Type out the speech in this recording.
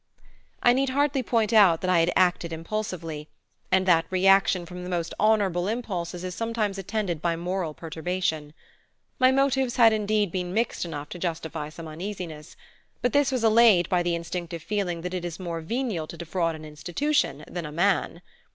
I need hardly point out that I had acted impulsively, and that reaction from the most honorable impulses is sometimes attended by moral perturbation. My motives had indeed been mixed enough to justify some uneasiness, but this was allayed by the instinctive feeling that it is more venial to defraud an institution than a man.